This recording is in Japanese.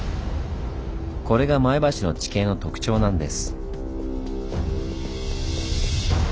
これが前橋の地形の特徴なんです。